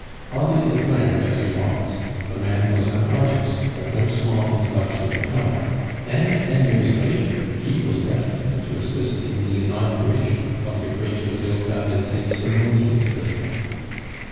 Oddly attired as he was, the man was an artist of no small intellectual power, and ten years later he was destined to assist in the inauguration of the great but ill founded Saint Simonian system.